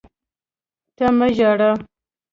ته مه ژاړه!